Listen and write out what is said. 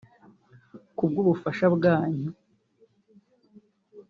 Kubw’ubufasha bwanyu